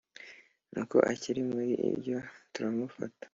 nuko akiri muri ibyo turamufata